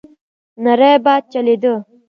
نری باد چلېده.